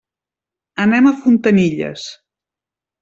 Anem a Fontanilles.